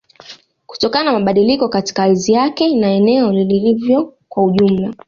Kutokana na mabadiliko katika ardhi yake na eneo lilivyo kwa ujumla